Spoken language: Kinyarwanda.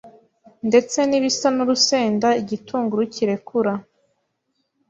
ndetse n’ibisa n’urusenda igitunguru kirekura,